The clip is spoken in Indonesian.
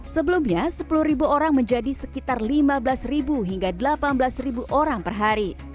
sebelumnya sepuluh orang menjadi sekitar lima belas hingga delapan belas orang per hari